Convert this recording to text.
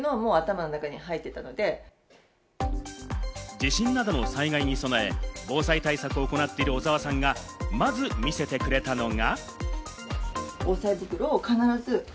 地震などの災害に備え、防災対策を行っている小澤さんがまず見せてくれたのが。